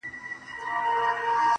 د خبرونو وياند يې.